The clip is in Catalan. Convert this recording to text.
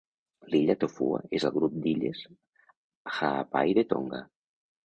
L'illa Tofua és al grup d'illes Ha'apai de Tonga.